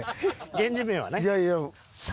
源氏名はね。